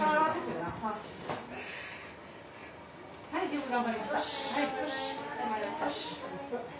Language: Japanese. よく頑張りました。